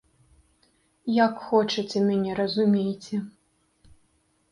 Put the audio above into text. Як хочаце мяне разумейце.